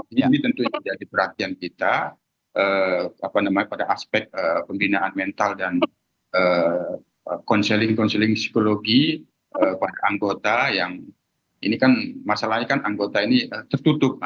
ini tentu jadi perhatian kita pada aspek pembinaan mental dan konseling konseling psikologi para anggota yang ini kan masalahnya kan anggota ini tertutup